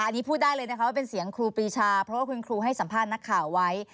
อันนี้พูดได้เลยนะคะว่าเป็นเสียงครูปรีชาเพราะว่าคุณครูให้สัมภาษณ์นักข่าวไว้